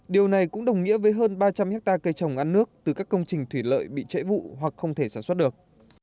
điều này cũng đồng nghĩa với hơn ba trăm linh hectare cây trồng ăn nước từ các công trình thủy lợi bị trễ vụ hoặc không thể sản xuất được